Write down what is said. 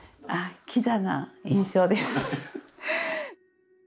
キザな印象です。